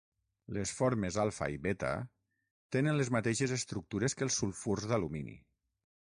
Les formes alfa i beta tenen les mateixes estructures que els sulfurs d'alumini.